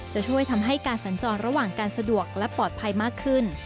จะช่วยทำให้การสัญจรระหว่างการสะดวกและปลอดภัยมากขึ้น